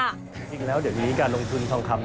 จริงแล้วเดี๋ยวนี้การลงทุนทองคำ